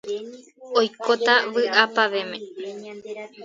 oikóta vy'apavẽme.